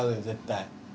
絶対。